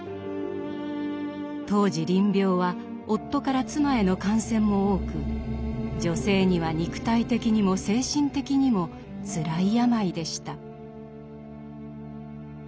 当時りん病は夫から妻への感染も多く女性には肉体的にも精神的にもつらい病でした。